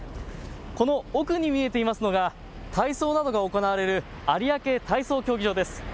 この奥に見えていますのが体操などが行われる有明体操競技場です。